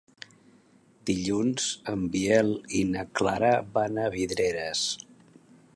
Dilluns en Biel i na Clara van a Vidreres.